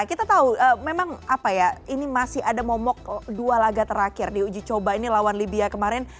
kita tahu memang apa ya ini masih ada momok dua laga terakhir di uji coba ini lawan libya kemarin